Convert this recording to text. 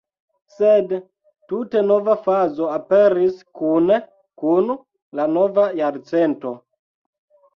Sed tute nova fazo aperis kune kun la nova jarcento.